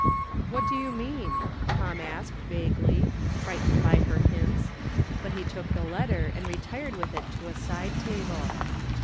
" What do you mean ?" Tom asked, vaguely, frightened by her hints ; but he took the letter, and retired with it to a side table.